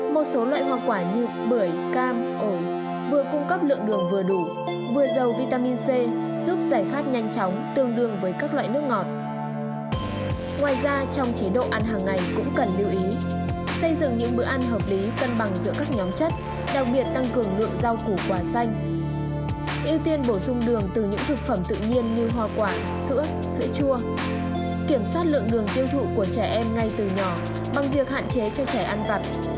bằng việc hạn chế cho trẻ ăn vặt các đồ ăn nhanh